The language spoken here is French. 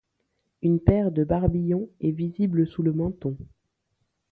Une paire de barbillons est visible sous le menton.